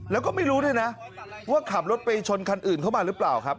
แล้วก็ไม่รู้ด้วยนะว่าขับรถไปชนคันอื่นเข้ามาหรือเปล่าครับ